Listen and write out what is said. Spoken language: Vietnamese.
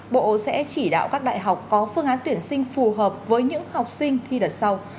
bộ sẽ chỉ đạo các đại học có phương án tuyển sinh phù hợp với những học sinh thi đợt sau